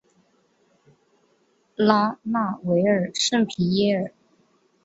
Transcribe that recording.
拉纳维尔圣皮耶尔。